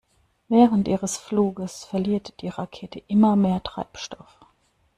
Während ihres Fluges verliert die Rakete immer mehr Treibstoff.